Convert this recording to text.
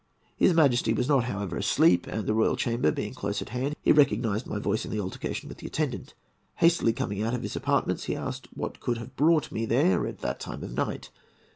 His Majesty was not, however, asleep, and, the royal chamber being close at hand, he recognized my voice in the altercation with the attendant. Hastily coming out of his apartments, he asked what could have brought me there at that time of night.